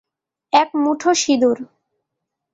এক মুঠো সিঁদুর।